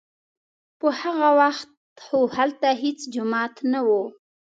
په هغه وخت خو هلته هېڅ جومات نه و.